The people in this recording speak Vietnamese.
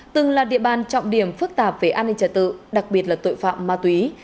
từng là địa bàn trọng điểm phức tạp về an ninh trật tự đặc biệt là tội phạm ma túy